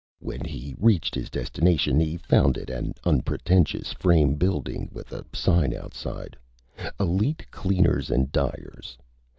When he reached his destination he found it an unpretentious frame building with a sign outside: "Elite Cleaners and Dyers."